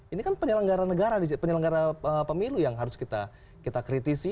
ini kan penyelenggara negara penyelenggara pemilu yang harus kita kritisi